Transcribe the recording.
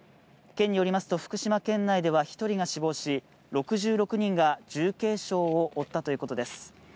県によりますと福島県内では１人が死亡し、６６人が重軽傷を負ったということです。